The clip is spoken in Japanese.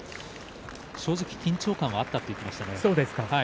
正直、緊張感があったと言っていました。